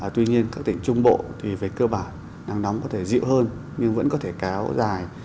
tuy nhiên các tỉnh trung bộ thì về cơ bản nắng nóng có thể dịu hơn nhưng vẫn có thể kéo dài